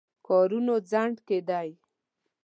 کارونو خنډ کېدی.